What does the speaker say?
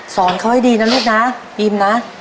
สอนเขาให้ดีนะลูกนะบีมนะ